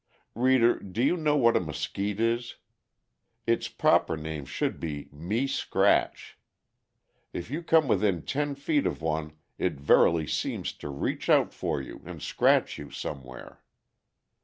Reader, do you know what a mesquite is? Its proper name should be "me scratch." If you come within ten feet of one it verily seems to reach out for you and scratch you somewhere.